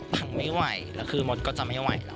ถังไม่ไหวแล้วคือมดก็จะไม่ไหวแล้ว